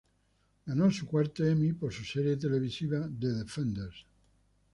Ganó su cuarto Emmy por su serie televisiva "The Defenders".